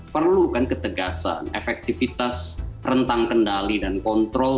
perlukan ketegasan efektivitas rentang kendali dan kontrol